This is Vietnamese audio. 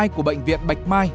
của bệnh viện bạch mai